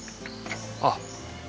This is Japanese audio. あっ